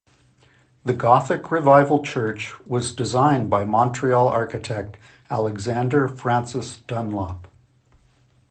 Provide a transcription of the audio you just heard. The Gothic Revival church was designed by Montreal architect Alexander Francis Dunlop.